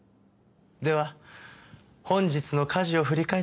では本日の家事を振り返って参りましょう。